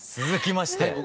続きまして。